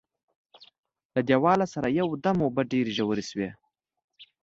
له دیواله سره یو دم اوبه ډېرې ژورې شوې.